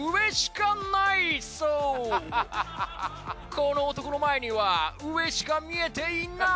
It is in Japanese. この男の前には上しか見えていない。